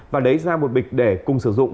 và lấy ra một bịch để cùng sử dụng